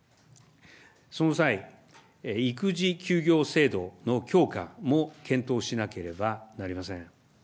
その際、育児休業制度の強化も検討しなければなりません。